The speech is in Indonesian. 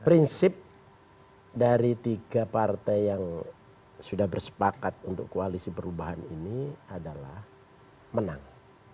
prinsip dari tiga partai yang sudah bersepakat untuk koalisi perubahan ini adalah menang